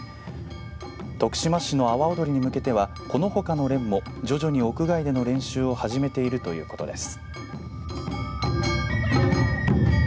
徳島市の阿波おどりに向けてはこのほかの連も徐々に屋外での練習を始めているということです。